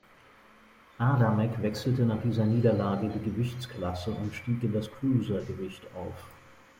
Adamek wechselte nach dieser Niederlage die Gewichtsklasse und stieg in das Cruisergewicht auf.